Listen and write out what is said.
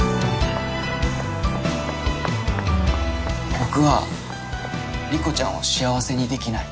僕は莉子ちゃんを幸せにできない。